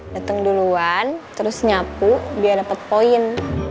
dateng duluan terus nyapu biar dapat poin